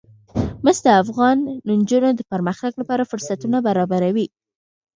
مس د افغان نجونو د پرمختګ لپاره فرصتونه برابروي.